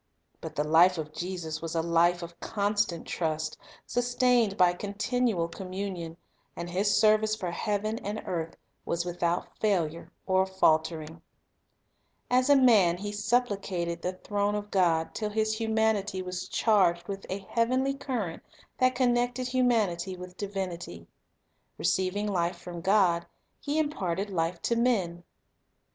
But the life of Jesus was a life of constant trust, sustained by con tinual communion ; and His service for heaven and earth was without failure or faltering. As a man He supplicated the throne of God, till His 1 Matt. Ii:28. IV yu : 17. "Matt. io:S. *ActS 10:38 The Teacher Sent from God Si humanity was charged with a heavenly current that con nected humanity with divinity. Receiving life from God, He imparted life to men.